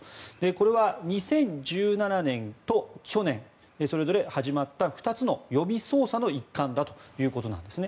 これは２０１７年と去年それぞれ始まった２つの予備捜査の一環だということなんですね。